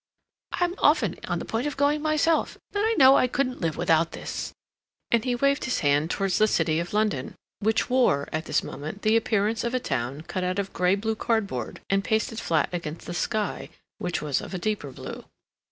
"I'm often on the point of going myself. And then I know I couldn't live without this"—and he waved his hand towards the City of London, which wore, at this moment, the appearance of a town cut out of gray blue cardboard, and pasted flat against the sky, which was of a deeper blue.